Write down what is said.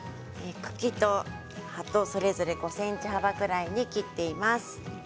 茎と葉とそれぞれ５ｃｍ幅ぐらいに切っています。